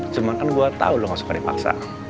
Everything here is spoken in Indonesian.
cuma kan gue tau lo gak suka dipaksa